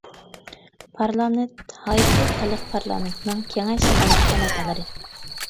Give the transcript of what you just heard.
پارلامېنت ھايتى خەلق پارلامېنتىنىڭ كېڭەش، ئاۋام پالاتالىرى.